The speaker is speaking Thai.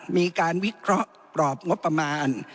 มีการวิเคราะห์กรอบงบประมาณ